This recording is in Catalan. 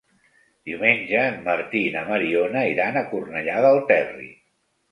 Diumenge en Martí i na Mariona iran a Cornellà del Terri.